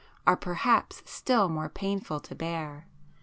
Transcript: are perhaps still more painful to bear.